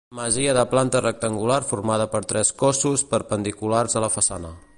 Masia de planta rectangular formada per tres cossos perpendiculars a la façana.